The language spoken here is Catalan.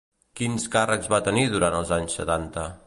Quins càrrecs va tenir durant els anys setanta?